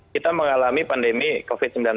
kita mengalami pandemi covid sembilan belas